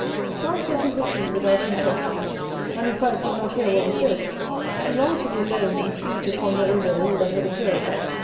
Franz let him proceed without interruption, and, in fact, did not hear what was said; he longed to be alone, and free to ponder over all that had occurred.